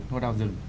hoa đào rừng